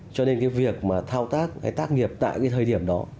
cho nên cái việc mà thao tác hay tác nghiệp tại cái thời điểm đó